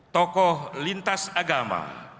tokoh lintas agama